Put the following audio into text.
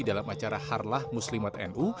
dalam acara harlah muslimat nu